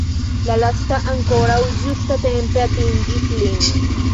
La lasta ankoraŭ ĝustatempe atingis lin.